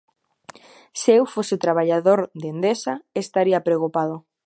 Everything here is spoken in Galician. Se eu fose traballador de Endesa, estaría preocupado.